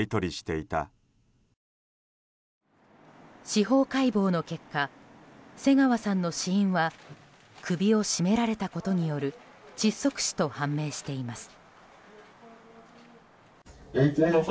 司法解剖の結果瀬川さんの死因は首を絞められたことによる窒息死と判明しています。